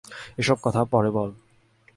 এসব কথা পরে বল।